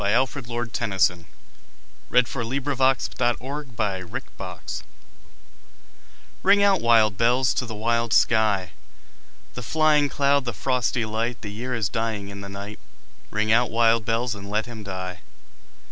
Alfred, Lord Tennyson Ring Out, Wild Bells RING out, wild bells, to the wild sky, The flying cloud, the frosty light; The year is dying in the night; Ring out, wild bells, and let him die.